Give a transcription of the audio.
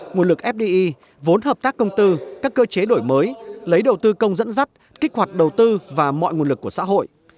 nguồn lực fdi vốn hợp tác công tư các cơ chế đổi mới lấy đầu tư công dẫn dắt kích hoạt đầu tư và mọi nguồn lực của xã hội